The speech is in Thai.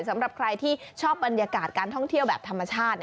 สำหรับใครที่ชอบบรรยากาศการท่องเที่ยวแบบธรรมชาติ